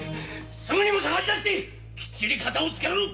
すぐにも捜し出してきっちりカタをつけろ！